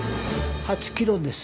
８キロです。